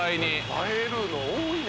映えるの多いね。